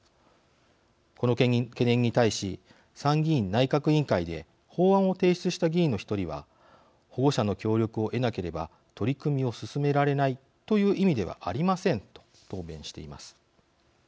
この懸念に対し参議院内閣委員会で法案を提出した議員の１人は保護者の協力を得なければ取り組みを進められないという意味ではありませんと答弁しています。